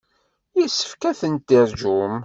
Yessefk ad ten-teṛjum.